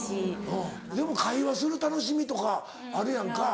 うんでも会話する楽しみとかあるやんか。